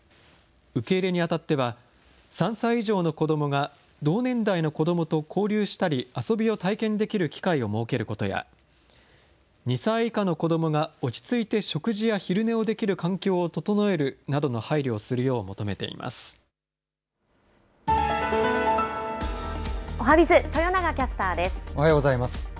受け入れにあたっては、３歳以上の子どもが同年代の子どもと交流したり遊びを体験できる機会を設けることや、２歳以下の子どもが落ち着いて食事や昼寝をできる環境を整えるなおはＢｉｚ、豊永キャスターおはようございます。